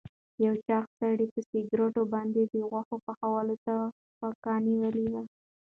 یو چاغ سړي په سکروټو باندې د غوښو پخولو ته پکه نیولې وه.